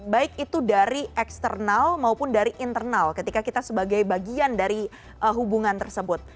baik itu dari eksternal maupun dari internal ketika kita sebagai bagian dari hubungan tersebut